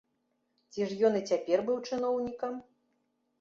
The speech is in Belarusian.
Ці ж ён і цяпер быў чыноўнікам?